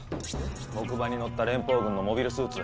木馬に乗った連邦軍のモビルスーツ。